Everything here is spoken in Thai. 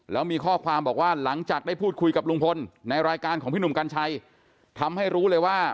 แล้วมีข้อความบอกว่าหลังจากได้พูดคุยกับลุงพลในรายการของพี่หนุ่มกัญชัยทำให้รู้เลยว่า